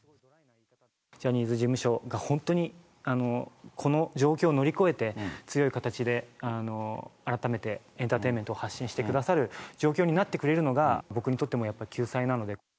ジャニーズ事務所が本当にこの状況を乗り越えて、強い形で、改めてエンターテインメントを発信してくださる状況になってくれるのが、僕にとってのやっぱり救済なので。